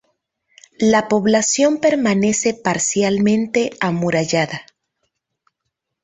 La población permanece parcialmente amurallada.